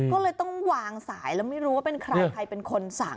ก็เลยต้องวางสายแล้วไม่รู้ว่าเป็นใครใครเป็นคนสั่ง